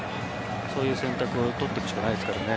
そういう選択を取っていくしかないですからね。